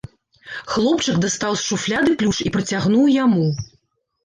Хлопчык дастаў з шуфляды ключ і працягнуў яму.